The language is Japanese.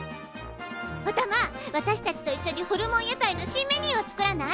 おたま私たちといっしょにホルモン屋台の新メニューを作らない？